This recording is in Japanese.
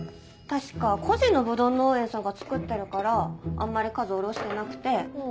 確か個人のブドウ農園さんが造ってるからあんまり数卸してなくて。